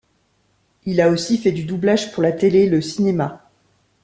Il a aussi fait du doublage pour la télé et le cinéma.